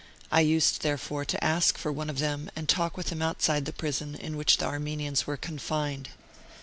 I used, therefore, to ask for one of them and talk with him outside the prison in which the Armenians were confined.